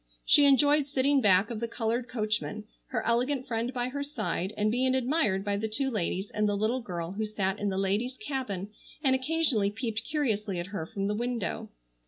She enjoyed sitting back of the colored coachman, her elegant friend by her side, and being admired by the two ladies and the little girl who sat in the ladies' cabin and occasionally peeped curiously at her from the window.